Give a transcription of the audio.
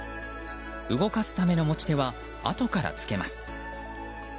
動かすための持ち手は後からつけます。